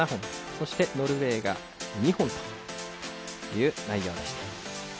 そして、ノルウェーが２本という内容でした。